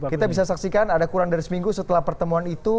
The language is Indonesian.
kita bisa saksikan ada kurang dari seminggu setelah pertemuan itu